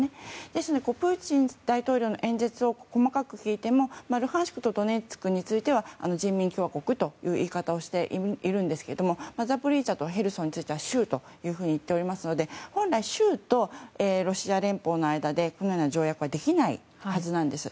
ですのでプーチン大統領の演説を細かく聞いてもルハンシクとドネツクについては人民共和国という言い方をしているんですけどザポリージャとヘルソンについては州と言っていますので本来、州とロシア連邦の間でこのような条約はできないはずなんです。